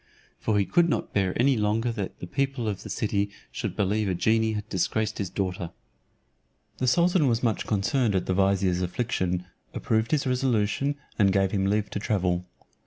For he could not bear any longer that the people of the city should believe a genie had disgraced his daughter. The sultan was much concerned at the vizier's affliction, approved his resolution, and gave him leave to travel.